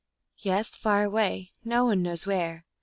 " Yes, far away ; no one knows where.